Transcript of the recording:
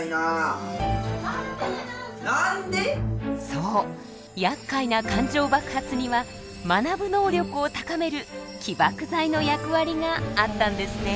そうやっかいな感情爆発には学ぶ能力を高める起爆剤の役割があったんですね。